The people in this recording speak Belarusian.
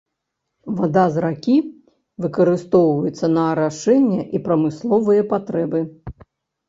Вада з ракі выкарыстоўваецца на арашэнне і прамысловыя патрэбы.